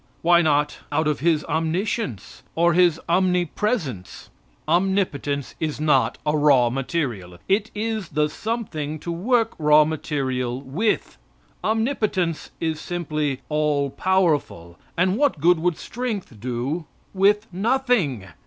Why not out of His omniscience, or His omnipresence? Omnipotence is not a raw material. It is the something to work raw material with. Omnipotence is simply all powerful, and what good would strength do with nothing?